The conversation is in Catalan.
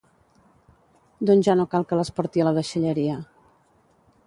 Doncs ja no cal que les porti a la deixalleria